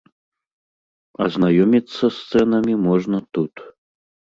Азнаёміцца з цэнамі можна тут.